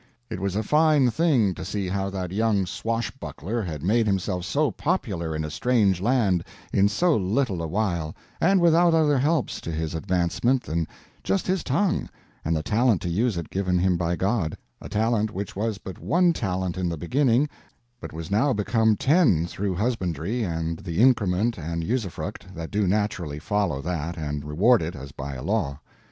It was a fine thing to see how that young swashbuckler had made himself so popular in a strange land in so little a while, and without other helps to his advancement than just his tongue and the talent to use it given him by God—a talent which was but one talent in the beginning, but was now become ten through husbandry and the increment and usufruct that do naturally follow that and reward it as by a law.